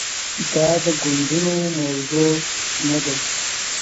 دا د ګوندونو موضوع نه ده.